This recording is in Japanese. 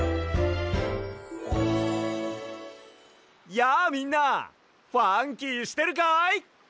やあみんなファンキーしてるかい？